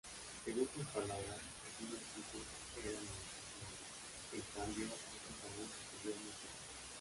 Según sus palabras: "algunos chistes eran innecesarios, en cambio otros aún se podían mejorar".